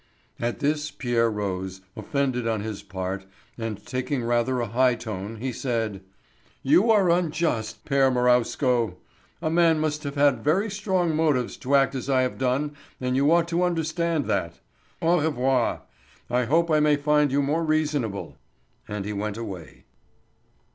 At this Pierre rose, offended on his part, and taking rather a high tone he said: "You are unjust, père Marowsko; a man must have very strong motives to act as I have done and you ought to understand that. Au revoir—I hope I may find you more reasonable." And he went away.